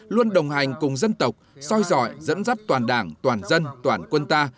luôn đồng hành cùng dân tộc soi dọi dẫn dắt toàn đảng toàn dân toàn quân ta